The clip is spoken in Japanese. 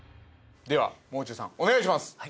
ではもう中さんお願いします